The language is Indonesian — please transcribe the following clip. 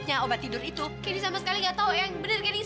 ngapain dicari cari terus